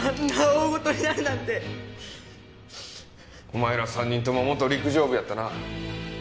お前ら３人とも元陸上部やったな。